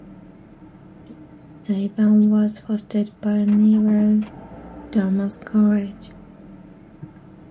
The event was hosted by nearby Dartmouth College.